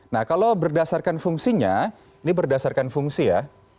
nah kalau berdasarkan fungsinya ini berdasarkan fungsi ya